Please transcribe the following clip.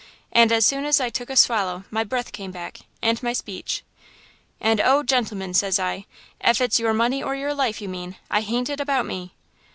And as soon as I took a swallow my breath came back and my speech. "'And oh, gentlemen,' says I, 'ef it's "your money or your life" you mean, I hain't it about me!